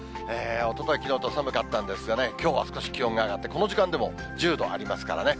おととい、きのうと寒かったんですがね、きょうは少し気温が上がって、この時間でも１０度ありますからね。